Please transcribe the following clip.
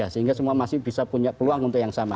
sehingga semua masih bisa punya peluang untuk yang sama